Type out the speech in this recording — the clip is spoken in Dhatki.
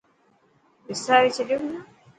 وساري ڇڏيو منا.